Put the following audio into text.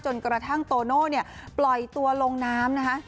จนกระทั่งโตโน่ปล่อยตัวลงน้ำนะคะ